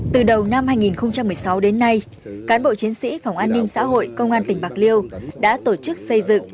từ đầu năm hai nghìn một mươi sáu đến nay cán bộ chiến sĩ phòng an ninh xã hội công an tỉnh bạc liêu đã tổ chức xây dựng